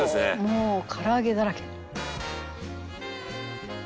「もう唐揚げだらけ」